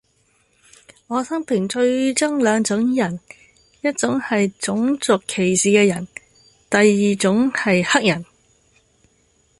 我生平最憎兩種人:一種系種族歧視的人,第二種系黑人